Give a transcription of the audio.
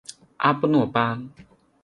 阿布诺巴。